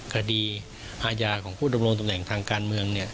คดีอาญาของผู้ดำรงตำแหน่งทางการเมือง